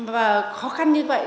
và khó khăn như vậy